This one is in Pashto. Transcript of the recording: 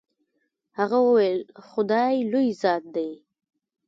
هغه وويل خداى لوى ذات دې.